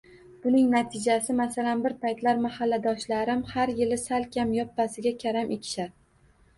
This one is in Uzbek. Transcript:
Buning natijasida, masalan, bir paytlar mahalladoshlarim har yili sal kam yoppasiga karam ekishar